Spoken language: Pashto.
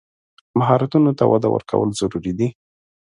مهارتونو ته وده ورکول ضروري دي.